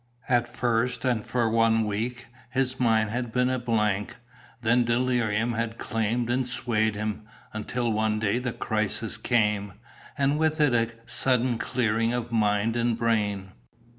At first, and for one week, his mind had been a blank, then delirium had claimed and swayed him, until one day the crisis came, and with it a sudden clearing of mind and brain.